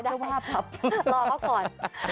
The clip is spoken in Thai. ได้รอเขาก่อน